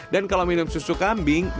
dan kalau minum susu kambing